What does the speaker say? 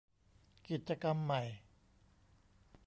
กิจกรรมใหม่